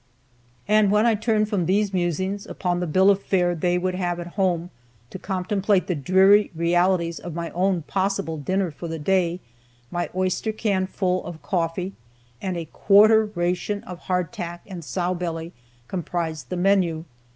And when I turned from these musings upon the bill of fare they would have at home to contemplate the dreary realities of my own possible dinner for the day my oyster can full of coffee and a quarter ration of hardtack and sow belly comprised the menu.